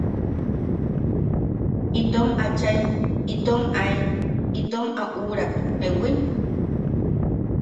Itom achai itom ae itom am uʼurak ¿jewi?.